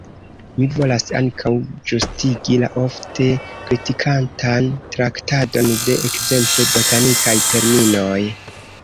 Mi volas ankaŭ ĝustigi la ofte kritikatan traktadon de ekzemple botanikaj terminoj.